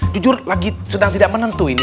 jujur lagi sedang tidak menentu ini